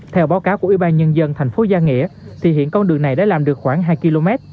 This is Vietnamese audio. theo báo cáo của ủy ban nhân dân thành phố gia nghĩa thì hiện con đường này đã làm được khoảng hai km